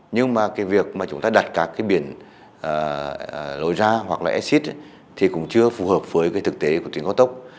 nhưng mà cái việc mà chúng ta đặt các cái biển lối ra hoặc là exid thì cũng chưa phù hợp với cái thực tế của tuyến cao tốc